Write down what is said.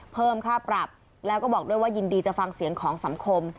เพิ่มค่าปรับแล้วก็บอกด้วยว่ายินดีจะฟังเสียงของสังคม